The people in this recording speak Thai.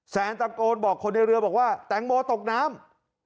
แซนตะโกนบอกคนในเรือบอกว่าแตงโมตกน้ำ